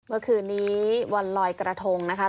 เมื่อคืนนี้วันลอยกระทงนะคะ